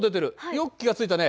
よく気が付いたね。